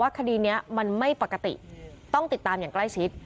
ว่าคดีนี้มันไม่ปกติต้องติดตามใกล้ชิด